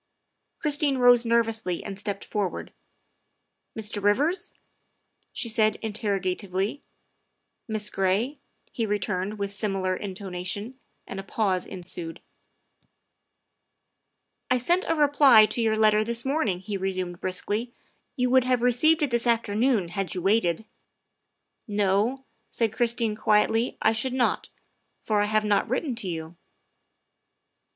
Christine rose nervously and stepped forward. " Mr. Rivers?" she said interrogatively. " Miss Gray?" he returned with similar intonation, and a pause ensued. " I sent a reply to your letter this morning," he resumed briskly; " you would have received it this afternoon had you waited. ''" No," said Christine quietly, " I should not, for I have not written to you."